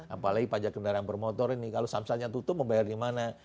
apalagi pajak kendaraan bermotor ini kalau samsatnya tutup membayar di mana